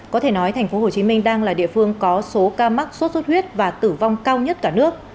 có thể nói thành phố hồ chí minh đang là địa phương có số ca mắc suốt suốt huyết và tử vong cao nhất cả nước